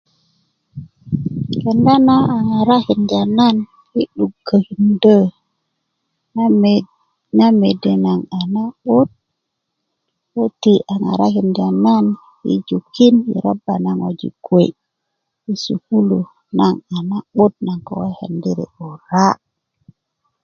kendya na a ŋarakindya nan yi 'dukökindö na met na mede nagoŋ a na'but köti a ŋarakinda nan yi jukin i robba na ŋwajik kuwe yi sukulu naŋ a na'but naŋ ko kekendini 'bura